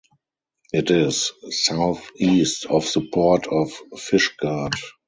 It is southeast of the port of Fishguard.